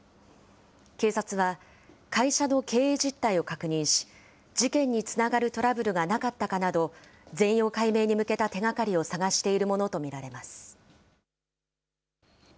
警察は会社の経営実態を確認し、事件につながるトラブルがなかったかなど、全容解明に向けた手がかりを探しているものと見られます。